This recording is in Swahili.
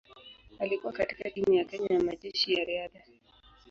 Alikuwa katika timu ya Kenya ya Majeshi ya Riadha.